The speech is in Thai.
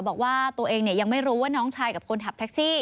บอกว่าตัวเองยังไม่รู้ว่าน้องชายกับคนขับแท็กซี่